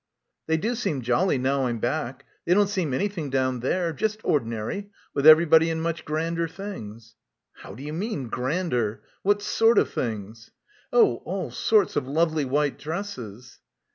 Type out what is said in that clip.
"They do seem jolly now I'm back. They don't seem anything down there. Just ordinary with everybody in much grander things." "How do you mean, grander? What sort of things?" "Oh, all sorts of lovely white dresses."